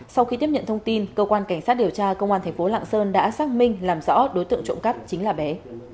sau khi tiếp nhận thông tin cơ quan cảnh sát điều tra công an thành phố lạng sơn đã xác minh làm rõ đối tượng trộm cắp chính là bé